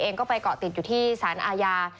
ไปเกาะติดอยู่ที่สารอาญา